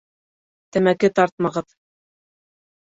Тәмәке тартмағыҙ!